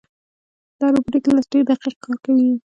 دا روبوټیک لاس ډېر دقیق کار کوي.